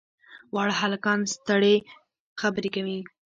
واړه هلکان سترې خبرې کوي.